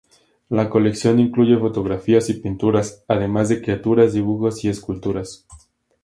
La colección incluye fotografías y pinturas, además de caricaturas, dibujos y esculturas.